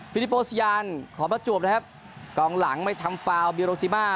พีทีประจวบแล้วครับกองหลังไม่ทำฟาวบิโรซีมา